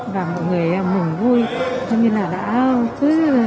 và mọi người mừng vui như là đã cứ